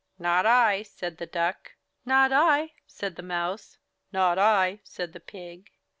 ''Not I," said the Duck. "Not I," said the Mouse. ''Not I," said the Pig.